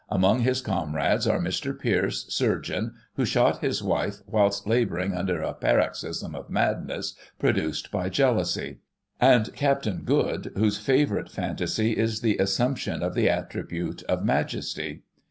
Among his comrades are Mr. Pierce, surgeon, who shot his wife whilst labouring under a paroxysm of madness produced by jealousy ; and Captain Good, whose favourite phantasy is the assumption of the attribute of Majesty.